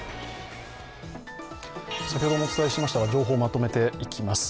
先ほどもお伝えしましたが情報をまとめていきます。